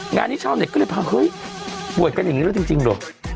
งานนี้ชาวเน็ตก็เลยพาเฮ้ยป่วยกันอย่างนี้แล้วจริงเหรอ